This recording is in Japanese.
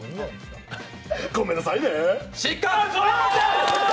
ごめんなさいね！